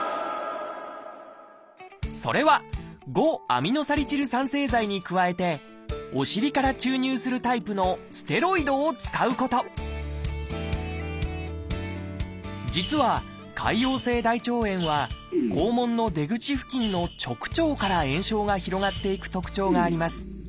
それは「５−アミノサリチル酸製剤」に加えてお尻から注入するタイプのステロイドを使うこと実は潰瘍性大腸炎は肛門の出口付近の直腸から炎症が広がっていく特徴があります。